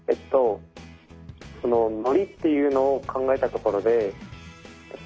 ノリっていうのを考えたところで絵文字？